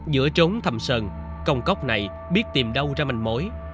giữa trốn thầm sần công cốc này biết tìm đâu ra manh mối